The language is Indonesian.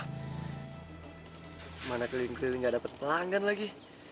kemana keliling keliling gak dapet pelanggan lagi